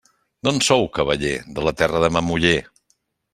D'on sou, cavaller? De la terra de ma muller.